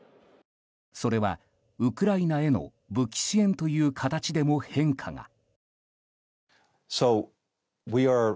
それはウクライナへの武器支援という形でも変化が。